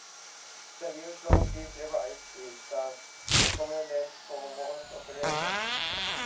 The use of this device is thus recommended for most operations.